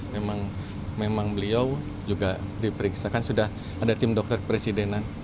memang beliau juga diperiksa kan sudah ada tim dokter presidenan